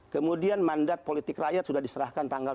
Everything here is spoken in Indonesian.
kemudian mandat politik rakyat sudah diserahkan tanggal tujuh belas